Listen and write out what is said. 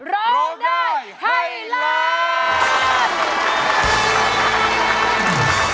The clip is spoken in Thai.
ร้องได้ให้ล้าน